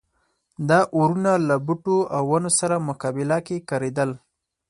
دا اورونه له بوټو او ونو سره مقابله کې کارېدل.